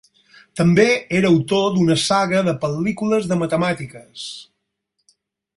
També era autor d'una saga de pel·lícules de matemàtiques.